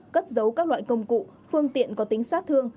cất dấu các loại công cụ phương tiện có tính sát thương